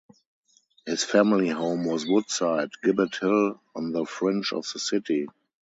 His family home was Woodside, Gibbet Hill, on the fringe of the city.